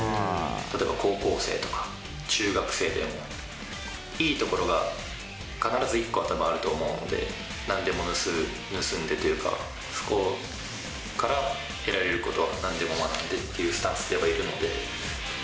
例えば高校生とか、中学生でも、いいところが、必ず１個はたぶん、あると思うので、なんでも盗んで、盗んでというか、そこから得られることは、なんでも学んでいくっていうスタンスではいるので。